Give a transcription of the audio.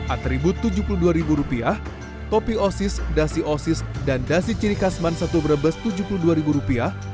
atribut tujuh puluh dua rupiah topi osis dasi osis dan dasi ciri kasman satu brebes tujuh puluh dua rupiah